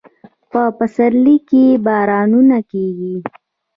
په پسرلي کې بارانونه کیږي